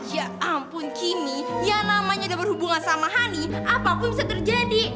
ya ampun kini yang namanya udah berhubungan sama honey apapun bisa terjadi